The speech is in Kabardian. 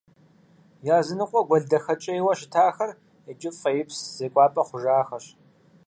Языныкъуэ гуэл дахэкӀейуэ щытахэр иджы фӀеипс зекӀуапӀэ хъужахэщ.